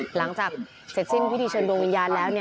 หลังจากเสร็จสิ้นพิธีเชิญดวงวิญญาณแล้ว